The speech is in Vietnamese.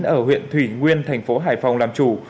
ở huyện thủy nguyên thành phố hải phòng làm chủ